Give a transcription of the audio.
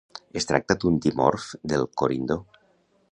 Es tracta d'un dimorf del corindó.